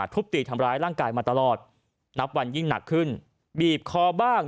ทุบตีทำร้ายร่างกายมาตลอดนับวันยิ่งหนักขึ้นบีบคอบ้าง